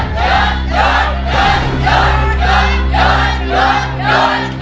ยดฮะโอเค